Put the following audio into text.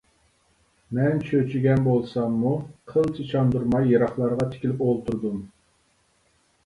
مەن چۆچۈگەن بولساممۇ قىلچە چاندۇرماي يىراقلارغا تىكىلىپ ئولتۇردۇم.